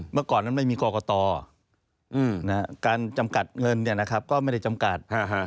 เมื่อก่อนนั้นไม่มีกรกตการจำกัดเงินก็ไม่ได้จำกัด